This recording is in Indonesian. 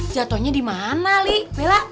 jatohnya dimana li bella